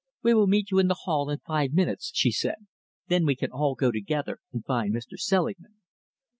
"We will meet you in the hall in five minutes," she said. "Then we can all go together and find Mr. Selingman."